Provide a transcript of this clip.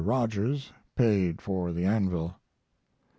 Rogers paid for the anvil.